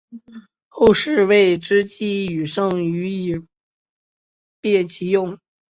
后世为之机抒胜复以便其用。